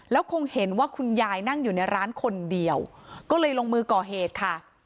แล้วคงเห็นว่าคุณยายนั่งอยู่ในร้านคนเดียวก็เลยลงมือก่อเหตุค่ะ